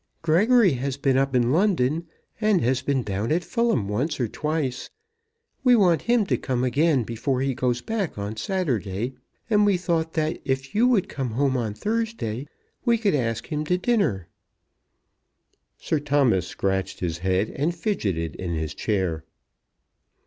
"Gregory has been up in London and has been down at Fulham once or twice. We want him to come again before he goes back on Saturday, and we thought if you would come home on Thursday, we could ask him to dinner." Sir Thomas scratched his head, and fidgeted in his chair.